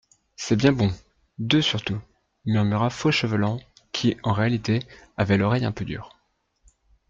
C'est bien bon, deux surtout, murmura Fauchelevent, qui, en réalité, avait l'oreille un peu dure.